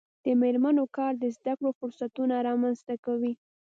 د میرمنو کار د زدکړو فرصتونه رامنځته کوي.